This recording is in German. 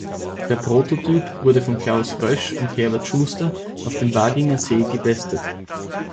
Der Prototyp wurde von Klaus Rösch und Herbert Schuster auf dem Waginger See getestet.